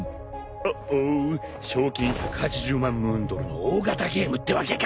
おっお賞金１８０万ムーンドルの大型ゲームってわけか。